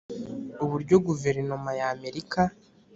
uburyo guverinoma y'Amerika